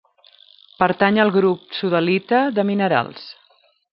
Pertany al grup sodalita de minerals.